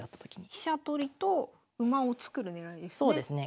飛車取りと馬を作る狙いですね。